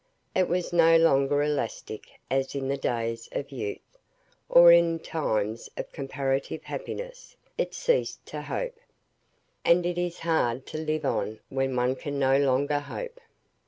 It was no longer elastic, as in the days of youth, or in times of comparative happiness; it ceased to hope. And it is hard to live on when one can no longer hope.